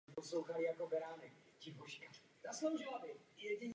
To Crash nemůže nechat bez povšimnutí a tak se vydá skrz komplex.